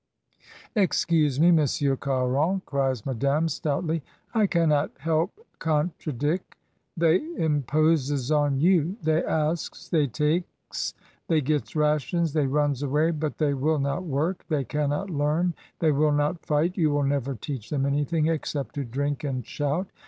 "Excuse me. Monsieur Caron," cries Madame, stoutly, "I cannot help contradic. They imposes on you; they asks, they takes, they gets rations, they runs away, but they will not work, they cannot learn, they will not fight; you will never teach them anything except to drink and shout.